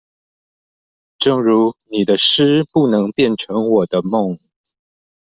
正如你的詩不能變成我的夢